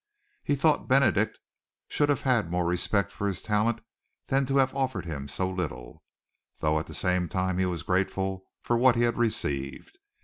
He thought Benedict should have had more respect for his talent than to have offered him so little, though at the same time he was grateful for what he had received.